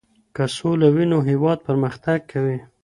که سوله وي، نو هيواد پرمختګ کوي.